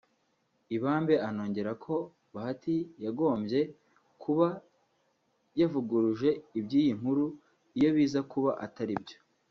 Ibambe anongeraho ko Bahati yagombye kuba yavuguruje iby’iyi nkuru iyo biza kuba atari byo